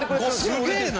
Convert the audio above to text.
すげえな。